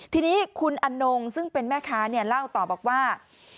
ทีนี้คุณอนงซึ่งเป็นแม่ค้าเล่าต่อบอกว่า